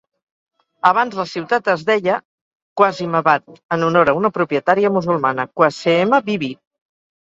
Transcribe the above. Abans la ciutat es deia Qasimabad, en honor a una propietària musulmana, Qaseema Bibi.